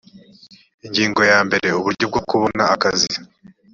ingingo ya mbere uburyo bwo kubona akazi